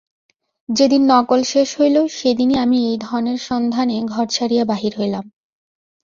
যেদিন নকল শেষ হইল সেইদিনই আমি এই ধনের সন্ধানে ঘর ছাড়িয়া বাহির হইলাম।